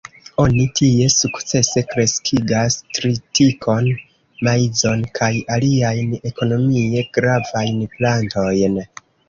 Oni tie sukcese kreskigas tritikon, maizon kaj aliajn ekonomie gravajn plantojn.